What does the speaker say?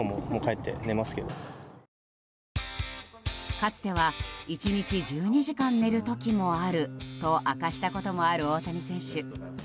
かつては１日１２時間寝る時もあると明かしたこともある大谷選手。